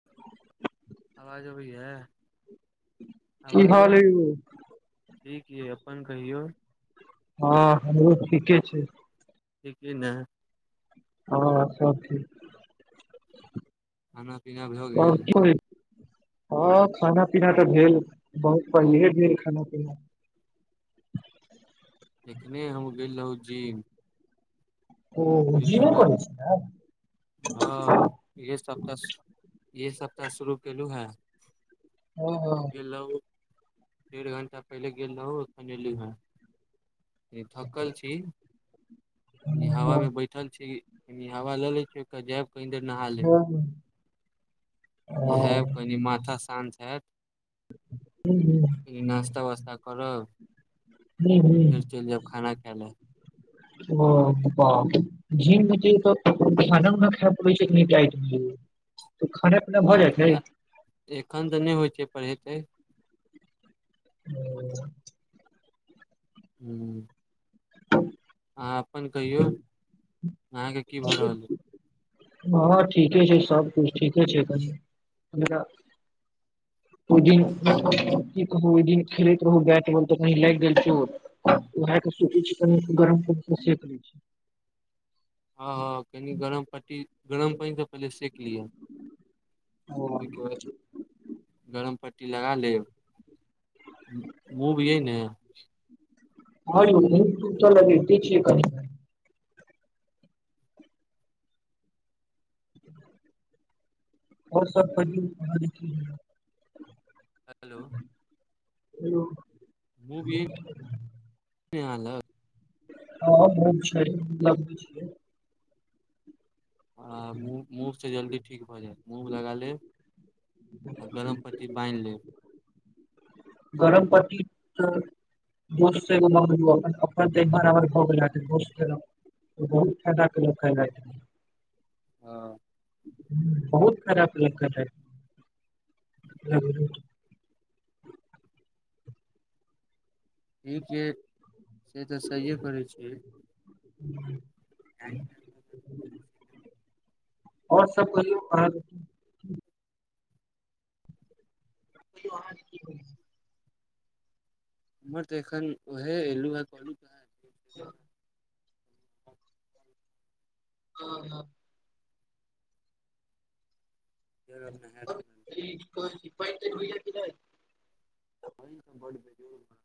[unintelligible] आवाज अबैये की आवाज हाल आबि अइ यौ ठीक ये अपन कहियौ हँ हमरो ठीके छै ठीक छी ने ह हँ सब ठीक खाना पिना आ [inaudible] हँ खाना पीना तऽ भेल बहुत पहिलेहे भेल खाना पीना एखने हम गेल रहौ जीम ओ डेढ़ जिमे घण्टा करै छियै हँ इहे सप्ताह इहे सप्ताह शुरू केलु हे हँ हँ गेल रहु डेढ़ घंटा पहिले गेल रहु अखन एली हे कनी थकल छी अनी हँ हबा मे हँ बैठल छी कनी हवा लऽ लै छी ओ जायब कनि देर नहा लेब हँ। नहायब कनि माथा शान्त हयैत हँ हँ नास्ता वास्ता करब हूँ फेर चलि जायब खाना खा लए ओ ब जी मुते खाना उाना खा पड़ै छैनी इट मिल खाना पीना भऽ जाइ अच्छा एखन तऽ नहि होइत छै पर हेतै ओ हू [unintelligible] अहाँ अपन कहियौ अहाँके की भऽ रहल अछि हँ ठीके छै सबकछु ठीके छै कनी ओहि दिन ओहि दिन खेलैत रहु बैट बॉल तऽ कनी लागि गेल चोट उहा के सोचय छिय गरम पानी से सेक दी ह हँ कनि गरम पट्टी गरम पानि त पहिले सेक लिया ओहिके बाद गरम पट्टी लगा लेब मूव ये ने हँ यो मुव तुव त लगेते छी कनि [unintelligible] ओर सब प हेलो हेलो छै अहाँ लंग हँ बहुत छै मतलब आ मुह [inaudible] मुव सँ जल्दी ठीक भऽ जायत मूँव लगा लेब आ गरम पत्ती बान्ह लेब गरम पत्ती त दोस्तसँ एगो मलहम ललेहुँ अपन त एम्हर आमहर भे गेल हायत बहुत फैदा कए लक आइ राति मे हँ बहुत फैदा केलक आइ राति मे ठीक य से तऽ सहिए कहै छीये ह टाइम प ओर सब कहियो अहाँ के की हमर तऽ एखन ओहे अय ऐलु हांय ह [inaudible] हँ हँ जब नहि होैत [inaudible] ठीक पैन तैन होई या कि नै कालिह भेलय या बारिस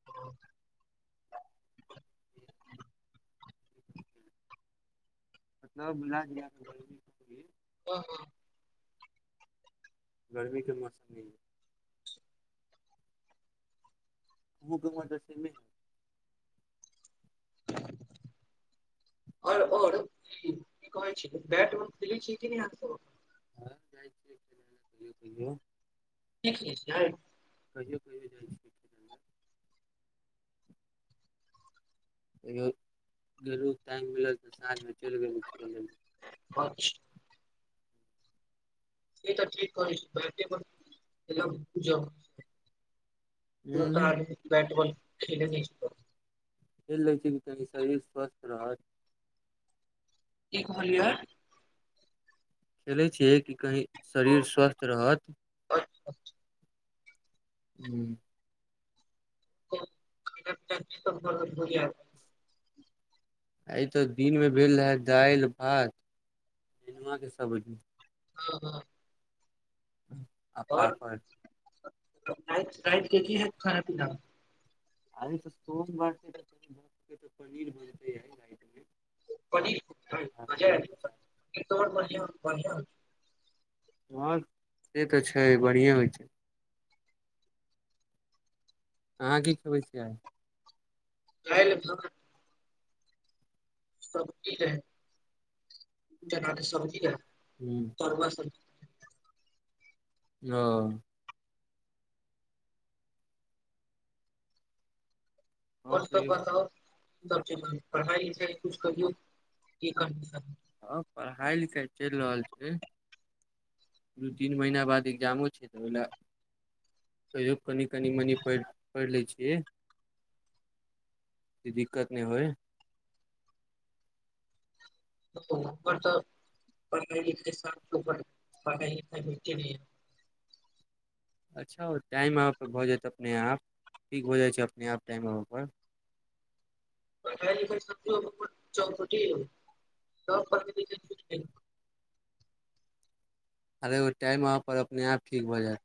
[unintelligible] रहल मतलब मिला जुला क ओ [inaudible] गर्मी के मौसमे हइ मुकमट सेमे [inaudible] [inaudible] आओर और की कहै छै बैट बाल खेले छी की नहि‌ आहाँ सभ हँ जाइ छियै कहियो कहियो नहि खेलय छियै [inaudible] कहियो कहियो जाइ छी गेलहुँ टाइग मिल त साँझ मे चलि गेलहुँ खेलय लै अच्छा ई तऽ ठीक करै छि बैट बॉल खेलब तऽ हूँ आ बैट बॉल खेल नहि जेयबै खेल लय छि जे कनि शरीर स्वस्थ रहत कि कहलिए खेलै छियै कि कहीं शरीर स्वस्थ रहत अच्छा ठीक हूँ [unintelligible] आइ तऽ दिनमे भेल रहय दाल भात नेनुआके सब्जी ह ह आ पापड़ राइत के कि हैत खाना पीना अरे तऽ सोमवार [unintelligible] तऽ पनीर बनते आइ राइत पनीर चावल [unintelligible] हँ से तऽ छै बढ़िएँ होइत छै अहाँ की खयबै छियै‌ आइ दाइल भात सब्जी रहय चनाके सब्जी रहय हूँ [unintelligible] ओ आओर सब बता सब पढ़ाइ लिखाइ करिय [unintelligible] ह पढ़ाइ लिखाइ चलि रहल छै दू तीन महीना बाद एग्जामो छै त ओहि लऽ कहियो कनि कनि मनि पढ़ि ले छियै दिक्कत नहि होय तऽ ओकर तो पढ़ाई-लिखाई त साफ चउपट भ गेल नहि अच्छा टाइम आबय पर भऽ जायत अपने आप ठीक भऽ जाइ छै अपने आप टाइम आबय पर [unintelligible] अरे ओ टाइम आबअ पर अपने आप ठीक भऽ जायत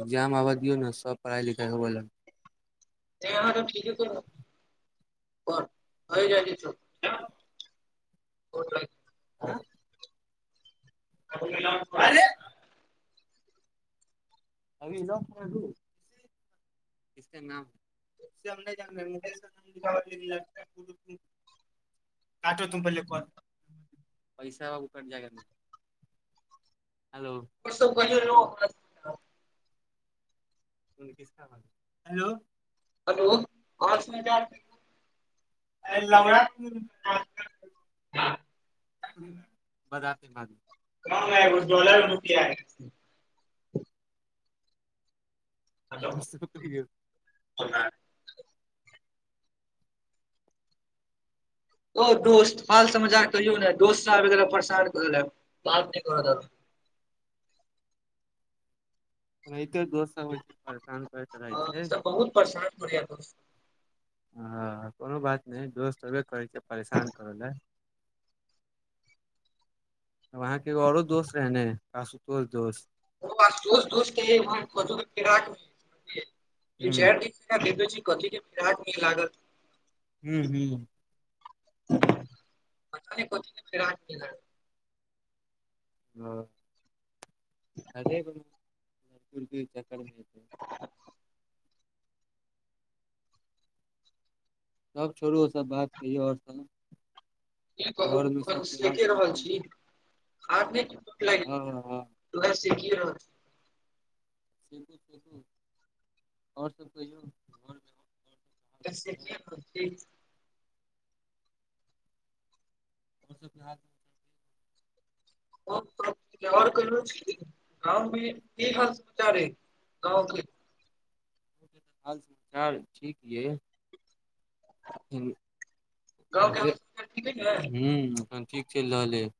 एग्जाम आबऽ दियौ ने सब पढ़ाइ लिखाइ होबऽ लागत [unintelligible] [unintelligible] [unintelligible] अरे [unintelligible] [unintelligible] [unintelligible] [unintelligible] [unintelligible] हेलो हेलो आवाज नहि जाय छै [unintelligible] [unintelligible] [unintelligible] हेलो आओर सब कहियौ [unintelligible] ओ दोस्त हाल समाचार कहियौ ने दोस्त परेशान बात करय देलक एनाहिते दोस्त सब के परेशान करैत रहै हँ ई छै सब बहुत परेशान करय यै दोस्त ह कोनो बात नहि दोस्त होबे करै छै परेशान करय लए आहाँके और दोस्त रहै न आशुतोष दोस्त [unintelligible] एकरा हूँ भेज दे छी कथी के फिराक मे लागल हू हू पता नहि कथी के फिराक मे [inaudible] हँ अे को दूर दूर चक्करमे अतै [unintelligible] तब छोड़ू उ सब बात कहियौ आओर सब की कहू घर मे से सबके ते हाल देखिए रहल समाचार छी हँ हँ लय सिख‌ए रहल छी [unintelligible] [unintelligible] आओर सब कहियौ घरमे क [unintelligible] उसब देहात ओर कहल गाँव मे की हाल समाचार है गाँव के [unintelligible] हाल समचार ठीक यै गाँव के ओहे हाल समाचार ठीक अइ ने हूंम्म अखन ठीक चलि रहल ये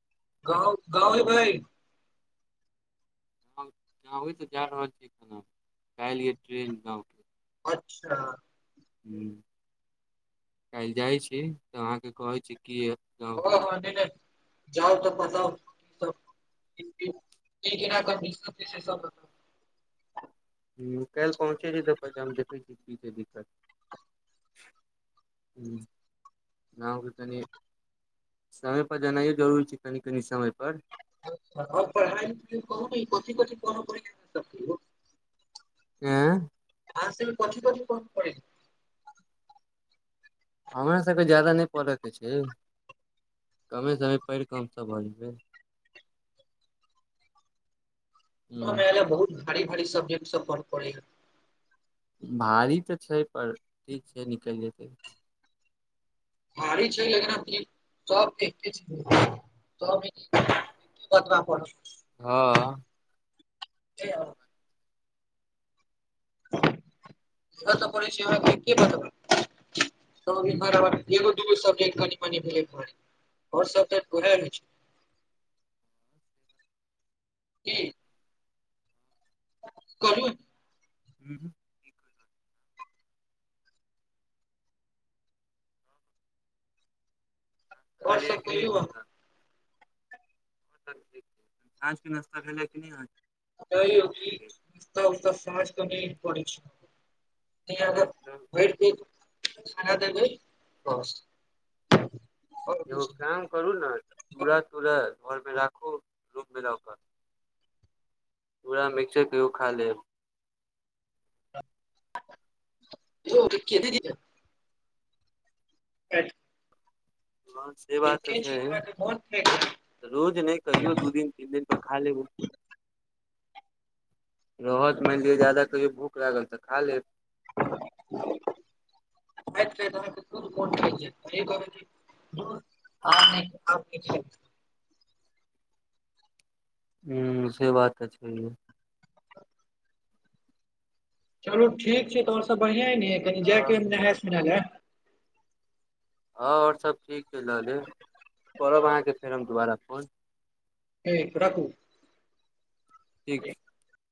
गाँव गाँव एबै हम गाँव तऽ जा रहल छियै ओना काल्हि ये ट्रेन गाँवके अच्छा हू काल्हि जाइ छी तऽ आहाँके कहै छी कि ओ हँ नहि नहि जाउ तऽ बताउ सब दिक सबता [unintelligible] ह काल्हि पहुँचे छै तऽ पहिले हम देखै छियै की छै दिक्कत हँ गाँव के तनी समय पर जेनाइयो जरुरी छै कनि कनि समय पर पढ़ाइ कथि कथित करै पड़ सब [unintelligible] ऐं आहाँ सब मे कथि कथि पढ़ पड़ै हमरा सभके जादा नहि पड़ऽके छै कमे समे पढ़ि कऽ हमसभ भऽ जेबै सुनऽ में ह एले बहुत भारी भारी सब्जेक्ट सब पढ़ पड़ैया भारी तऽ छै पर ठीक छै निकलि जेतै भारी छै लेकिन अी सब [unintelligible] कतबा ब [unintelligible] हँ तेहन [unintelligible] तऽ प छै बातदिन घ ह [unintelligible] एगो दुगो सब्जेकट कनि म मिल आओर सबजेक्ट उएह रहै छै की कहु उंहूँ और तगी सब की नहि एक कहियो घंटा [unintelligible] आजके नश्ता भेलै कि नहि अहाँके बतैयो कि तब तऽ सांझ कऽ नै परै छै इ अरे आदत तऽ भरि दिन खाना देबै बस आओर यौ एगो किछु काम नहि करु नऽ चूरा तूरा घरमे राखु रूममे ला कऽ चुरा मिक्सचर कहियो खा लेब कियौ ठीक छियै दीदी के [unintelligible] काटि [unintelligible] हँ से बात तऽ छै अहाँके मोन थाकि जायत रोज नहि कहियो दू दिन तीन दिन पर खा लेबै रहत मानि लिअ जादा कहियौ भूख लागल तऽ खा लेब [inaudible] राति के तऽ अहाँके दुगो फोन करै छी इहे कहबैन कि दुर अहाँके नहि कर के छै [unintelligible] ह्म से बात छै। है चलू, ठीक छै। तऽ आओर सभ बढ़ियाँ ने? कनी जाय के नहाय सुनाय ले। हँ, आओर सभ ठीक चलि रहल अइ। करब अहाँकेँ फेर दोबारा फोन। ठीक रखू। ठीक छै।